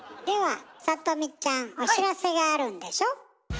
ではさとみちゃんお知らせがあるんでしょ？